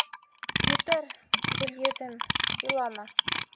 — Етәр, Гөлйөҙөм, илама.